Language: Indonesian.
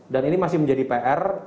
dan ini masih menjadi pr